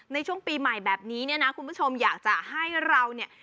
ในช่วงปีใหม่แบบนี้เนี่ยนะคุณผู้ชมอยากจะให้เราเนี่ย